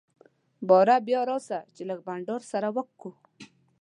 باره بيا راسه چي لږ بانډار سره وکو.